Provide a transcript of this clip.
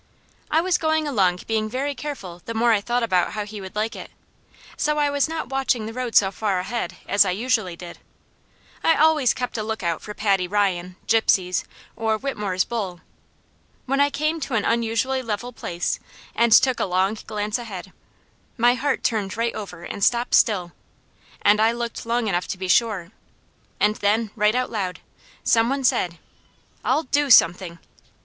I was going along being very careful the more I thought about how he would like it, so I was not watching the road so far ahead as I usually did. I always kept a lookout for Paddy Ryan, Gypsies, or Whitmore's bull. When I came to an unusually level place, and took a long glance ahead, my heart turned right over and stopped still, and I looked long enough to be sure, and then right out loud some one said, "I'll DO something!"